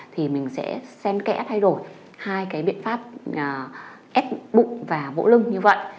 thì mình sẽ xen kẽ thay đổi hai cái biện pháp ép bụng và vỗ lưng như vậy